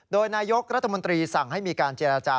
โดยนายกรัฐมนตรีสั่งให้มีการเจรจา